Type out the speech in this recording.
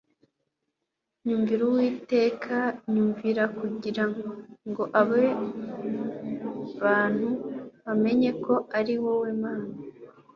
Nyumvira Uwiteka nyumvira kugira ngo aba bantu bamenye ko ari wowe Mana